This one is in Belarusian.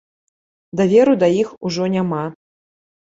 Даверу да іх ужо няма.